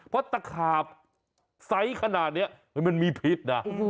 เพราะตะขาบไซส์ขนาดนี้มันมีพิษนะ